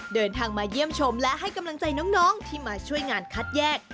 เดินทางมาเยี่ยมชมและให้กำลังใจน้องที่มาช่วยงานคัดแยก